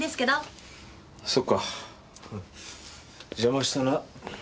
そうか邪魔したな。